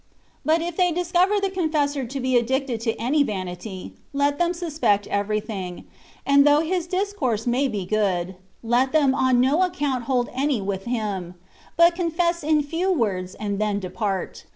But if they discover the confessor to be addicted to any vanity, let them suspect everything; and though his discourse may be good, let them on no account hold any with him ; but confess in few words and then depart.